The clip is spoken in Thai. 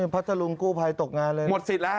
พระเจ้าลุงกู้ภัยตกงานเลย